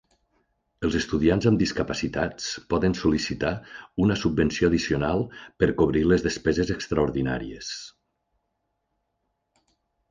Els estudiants amb discapacitats poden sol·licitar una subvenció addicional per cobrir les despeses extraordinàries.